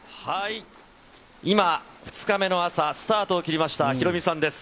今、２日目の朝スタートを切りましたヒロミさんです。